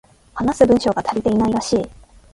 話す文章が足りていないらしい